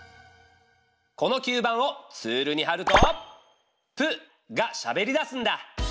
この吸盤をツールにはると「プ」がしゃべりだすんだ。